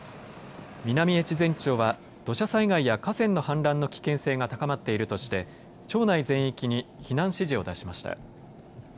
南越前町は土砂災害や河川の氾濫の危険性が高まっているとして町内全域に避難指示を出しました。